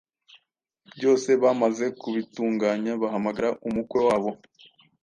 Byose bamaze kubitunganya, bahamagara umukwe wabo